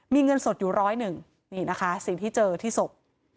มีเงินสดอยู่ร้อยหนึ่งนี่นะคะสิ่งที่เจอที่ศพ